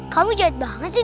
kamu jahat banget sih